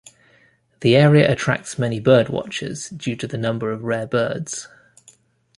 The area attracts many bird-watchers, due to the number of rare birds.